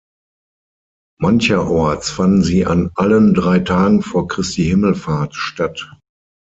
Mancherorts fanden sie an allen drei Tagen vor Christi Himmelfahrt statt.